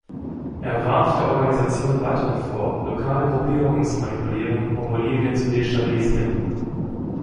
Er warf der Organisation weiterhin vor, lokale Gruppierungen zu manipulieren, um Bolivien zu destabilisieren.